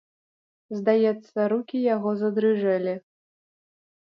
Здаецца, рукі яго задрыжэлі.